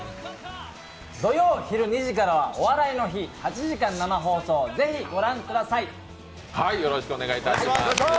土曜昼２時からは「お笑いの日」、８時間生放送、ぜひ御覧ください。